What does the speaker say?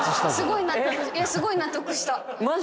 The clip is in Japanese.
すごい納得したマジ？